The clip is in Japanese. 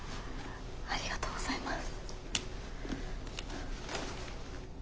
ありがとうございます。